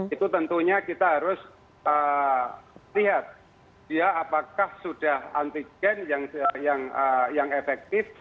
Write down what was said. itu tentunya kita harus lihat dia apakah sudah antigen yang efektif